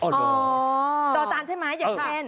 จอจานใช่ไหมอย่างเช่น